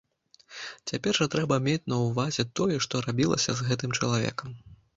Цяпер жа трэба мець на ўвазе тое, што рабілася з гэтым чалавекам.